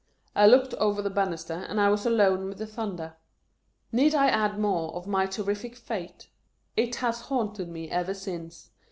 I looked over the bannisters, and I was alone with the thunder. Need I add more of my terrific fate ? It HAS haunted me ever since.